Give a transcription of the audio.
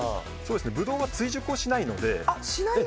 ブドウは追熟をしないので。